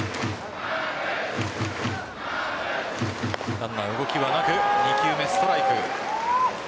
ランナー、動きはなく２球目、ストライク。